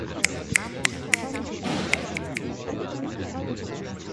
İzmir Atatürk Liseyində lisey təhsilini tamamladı.